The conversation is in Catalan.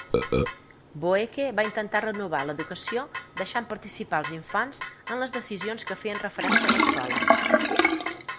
Boeke va intentar renovar l'educació deixant participar els infants en les decisions que feien referència a l'escola.